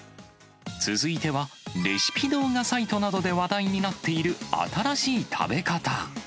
続いては、レシピ動画サイトなどで話題になっている新しい食べ方。